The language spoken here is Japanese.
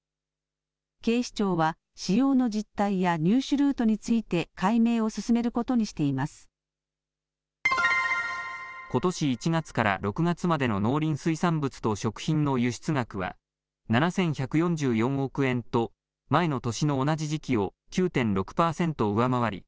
警視庁は使用の実態や入手ルートについてことし１月から６月までの農林水産物と食品の輸出額は７１４４億円と前の年の同じ時期を９．６パーセント上回り